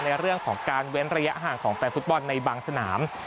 ในเรื่องของการเว้นระยะห่างของแฟนฟุตบอลในบางสนาม